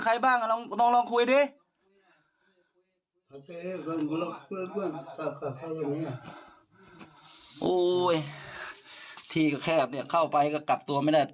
แค่แค่อย่างเนี้ยโอ้ยทีก็แคบเนี้ยเข้าไปก็กลับตัวไม่ได้